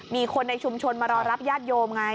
มีคนในชุมชนมารอรับญาติโยมไง